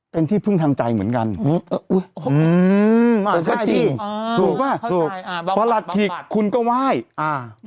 เป็นที่พึ่งทางใจเหมือนกัน